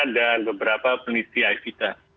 dan beberapa peneliti aikita